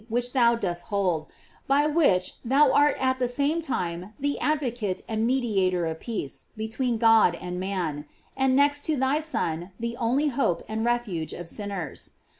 22S dost hold, by which thou art at the same time the advocate and mediator of peace between God and man, and next to thy Son the only hope and refuge of sinners.